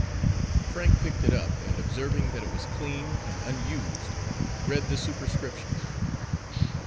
Frank picked it up, and observing that it was clean and unused, read the superscription.